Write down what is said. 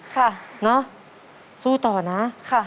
ค่ะเนอะสู้ต่อนะค่ะ